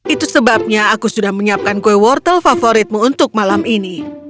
itu sebabnya aku sudah menyiapkan kue wortel favoritmu untuk malam ini